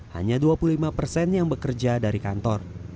hanya dua puluh lima persen yang bekerja dari kantor